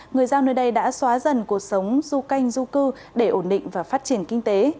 người dân nơi đây đã xóa dần cuộc sống du canh du cư để ổn định và phát triển kinh tế